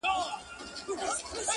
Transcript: هغه زه یم هغه ښار هغه به دی وي!!